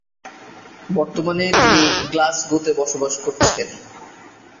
বর্তমানে তিনি গ্লাসগোতে বসবাস করছেন।